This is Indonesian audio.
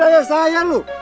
jadi berhenti lagi lah